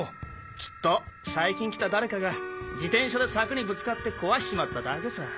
きっと最近来た誰かが自転車で柵にぶつかって壊しちまっただけさ！